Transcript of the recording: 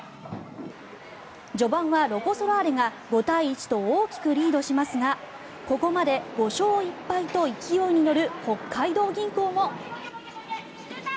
序盤はロコ・ソラーレが５対１と大きくリードしますがここまで５勝１敗と勢いに乗る北海道銀行も。